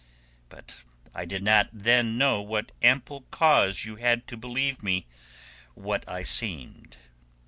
But I did not then know what ample cause you had to believe me what I seemed.